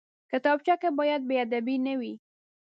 کتابچه کې باید بېادبي نه وي